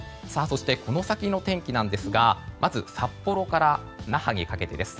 そして、この先の天気なんですがまず札幌から那覇にかけてです。